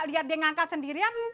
liat dia ngangkat sendirian